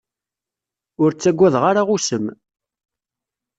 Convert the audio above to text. Ur ttagadeɣ ara usem.